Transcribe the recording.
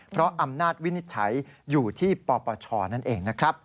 เพราะอำนาจวินิจฉัยอยู่ที่ปปชนั่นเองนะครับ